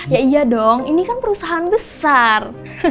ya iya dong ini kan perusahaan besar